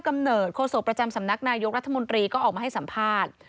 กำเนิดโฆษกประจำสำนักนายกรัฐมนตรีก็ออกมาให้สัมภาษณ์